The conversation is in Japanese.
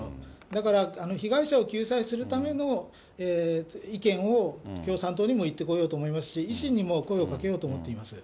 だから被害者の救済するための意見を共産党にも言ってこようと思いますし、維新にも声をかけようと思ってます。